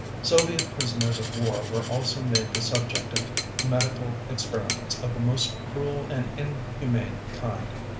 Soviet prisoners of war were also made the subject of medical experiments of the most cruel and inhuman kind.